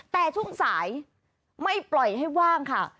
แต่ช่วงสายไม่ปล่อยให้ว่างค่ะ